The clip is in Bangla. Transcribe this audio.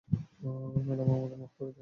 ম্যাডাম, আমাকে মাফ করে দেন।